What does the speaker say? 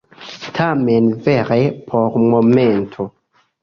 Tamen vere por momento.